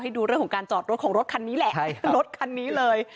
ดูเรื่องของการจอดรถของรถคันนี้แหละรถคันนี้เลย